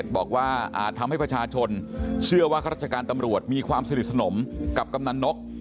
บอกว่าอาจทำให้ประชาชนเชื่อว่าข้าราชการตำรวจมีความสนิทสนมกับกำนันนก